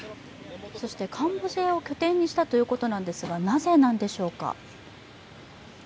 そしてカンボジアを拠点にしたということですが、なぜなんでしょうか？